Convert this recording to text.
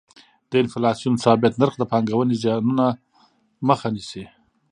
د انفلاسیون ثابت نرخ د پانګونې زیانونو مخه نیسي.